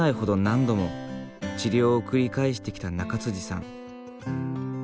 何度も治療を繰り返してきた中さん。